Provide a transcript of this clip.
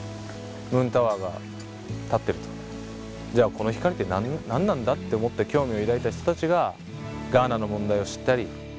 ムーンタワーが立ってると、じゃあ、この光って何なんだ？って思って、興味を抱いた人たちがガーナの問題を知ったり。